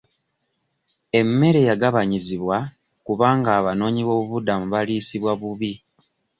Emmere yagabanyizibwa kubanga abanoonyi b'obubudamu baliisibwa bubi.